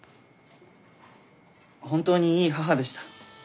本当にいい母でした。